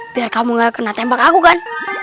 biar kamu gak kena tembak aku kan